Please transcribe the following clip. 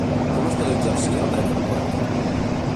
Com es pot exercir el dret al vot?